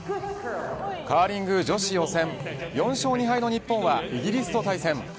カーリング女子予選４勝２敗の日本はイギリスと対戦。